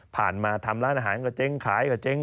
มาทำร้านอาหารก็เจ๊งขายก็เจ๊ง